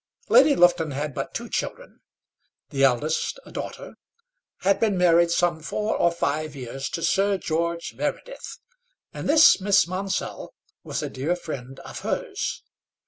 Lady Lufton had but two children. The eldest, a daughter, had been married some four or five years to Sir George Meredith, and this Miss Monsell was a dear friend of hers.